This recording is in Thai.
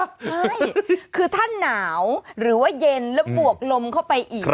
ใช่คือถ้าหนาวหรือว่าเย็นแล้วบวกลมเข้าไปอีก